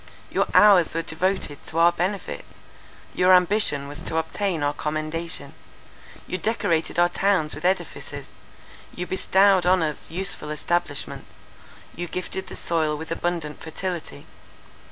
Your hours were devoted to our benefit, your ambition was to obtain our commendation. You decorated our towns with edifices, you bestowed on us useful establishments, you gifted the soil with abundant fertility.